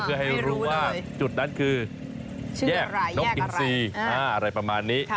เพื่อให้รู้ว่าจุดนั้นคือแยกนกอินซีอะไรประมาณนี้